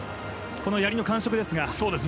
この、やりの感触ですが。